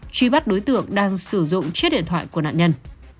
truy bắt đối tượng đang sử dụng chiếc điện thoại của nạn nhân